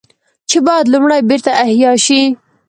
چې بايد لومړی بېرته احياء شي